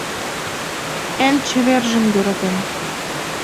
Эн чевержым йӧратем